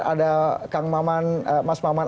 ada kang maman mas maman